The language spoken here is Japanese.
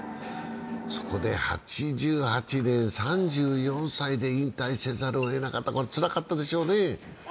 そこで８８年、３４歳で引退せざるをえなかった、つらかったでしょうね。